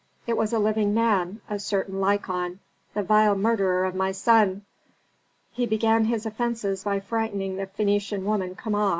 It was a living man, a certain Lykon, the vile murderer of my son. He began his offences by frightening the Phœnician woman Kama.